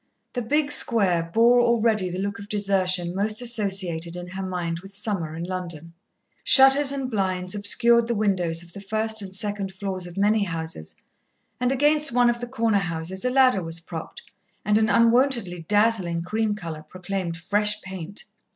The big square bore already the look of desertion most associated in her mind with summer in London. Shutters and blinds obscured the windows of the first and second floors of many houses, and against one of the corner houses a ladder was propped and an unwontedly dazzling cream colour proclaimed fresh paint.